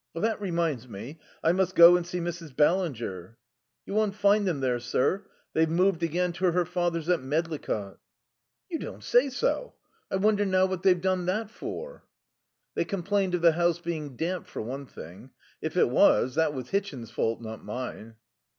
"That reminds me, I must go and see Mrs. Ballinger." "You won't find them there, sir. They've moved again to her father's at Medlicott." "You don't say so. I wonder now what they've done that for." "They complained of the house being damp for one thing. If it was, that was Hitchin's fault, not mine."